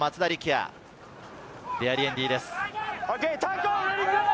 デアリエンディです。